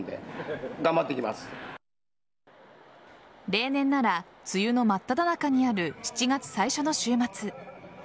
例年なら梅雨の真っただ中にある７月最初の週末。